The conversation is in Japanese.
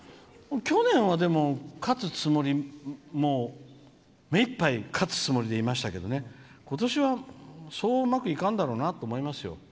去年は、勝つつもりもめいっぱい勝つつもりでいましたけど今年は、そううまくいかんだろうなと思いますよ。